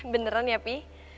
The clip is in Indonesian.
beneran ya pi